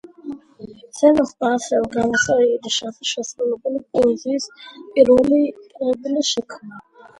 ზამენჰოფმა ასევე გამოსცა იდიშზე შესრულებული პოეზიის პირველი კრებული შექმნა.